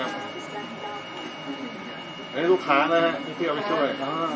อันนี้ลูกค้านะครับพี่พี่เอาไปช่วย